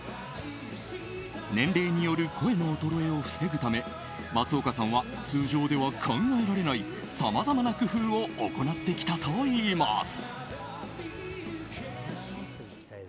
年齢による声の衰えを防ぐため松岡さんは通常では考えられないさまざまな工夫を行ってきたといいます。